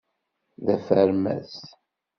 D afermas.